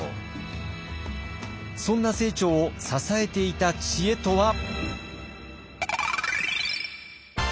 そんな清張を支えていた知恵とは？